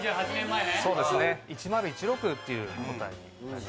１０１６というものになります。